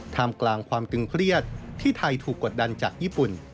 มกลางความตึงเครียดที่ไทยถูกกดดันจากญี่ปุ่น